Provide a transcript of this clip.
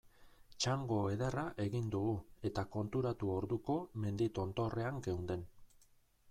Txango ederra egin dugu eta konturatu orduko mendi tontorrean geunden.